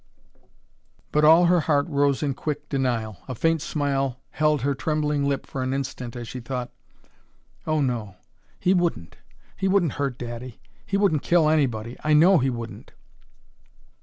But all her heart rose in quick denial. A faint smile held her trembling lip for an instant as she thought: "Oh, no; he wouldn't! He wouldn't hurt daddy; and he wouldn't kill anybody! I know he wouldn't!"